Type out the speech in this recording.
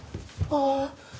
ああ。